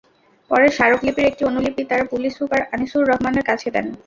পরে স্মারকলিপির একটি অনুলিপি তাঁরা পুলিশ সুপার আনিছুর রহমানের কাছে দেন।